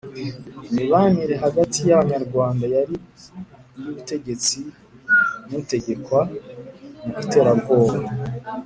imibanire hagati y'abanyarwanda yari iy' umutegetsi n' utegekwa mu iterabwoba,